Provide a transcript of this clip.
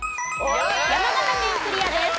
山形県クリアです。